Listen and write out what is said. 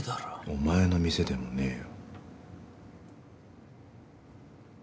お前の店でもねぇよ。